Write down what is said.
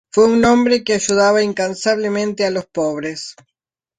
Fue un hombre que ayudaba incansablemente a los pobres.